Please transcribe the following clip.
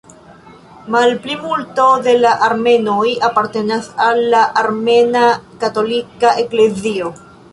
Malplimulto de la armenoj apartenas al la Armena Katolika Eklezio.